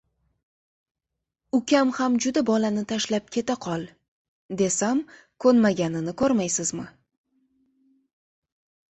Ukam ham juda Bolani tashlab ketaqol, desam ko‘nmaganini ko‘rmaysizmi?